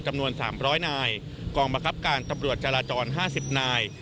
จำนวน๓๐๐นายกองบังคับการตำรวจจราจร๕๐นาย